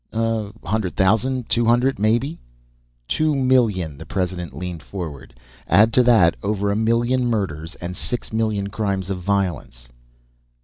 "A hundred thousand? Two hundred, maybe?" "Two million." The President leaned forward. "Add to that, over a million murders and six million crimes of violence."